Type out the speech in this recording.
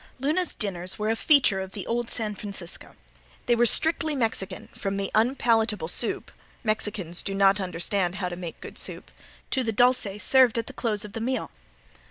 Luna's dinners were a feature of the old San Francisco. They were strictly Mexican, from the unpalatable soup (Mexicans do not understand how to make good soup) to the "dulce" served at the close of the meal.